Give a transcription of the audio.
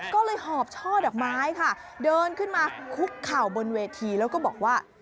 ก็เลยหอบช่อดอกไม้ค่ะเดินขึ้นมาคุกเข่าบนเวทีแล้วก็บอกว่า